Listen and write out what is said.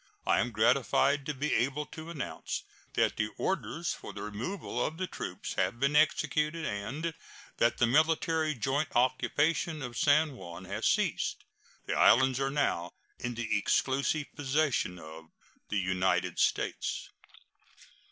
I am gratified to be able to announce that the orders for the removal of the troops have been executed, and that the military joint occupation of San Juan has ceased. The islands are now in the exclusive possession of the United States.